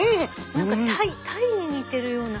何かタイに似てるような。